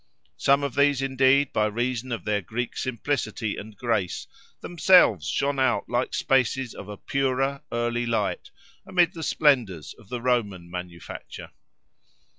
Some of these, indeed, by reason of their Greek simplicity and grace, themselves shone out like spaces of a purer, early light, amid the splendours of the Roman manufacture.